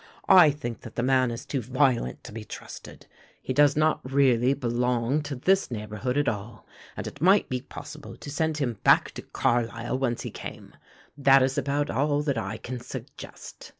I think that the man is too violent to be trusted. He does not really belong to this neighbourhood at all and it might be possible to send him back to Carlisle whence he came. That is about all that I can suggest.